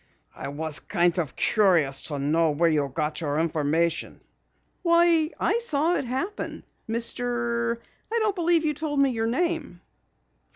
"I was kind of curious to know where you got your information." "Why, I saw it happen, Mr I don't believe you told me your name."